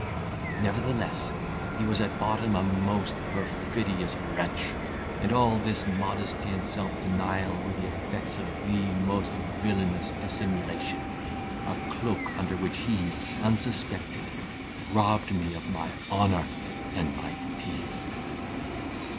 Nevertheless, he was at bottom a most perfidious wretch, and all this modesty and self denial were the effects of the most villanous dissimulation, a cloak under which he, unsuspected, robbed me of my honour and my peace.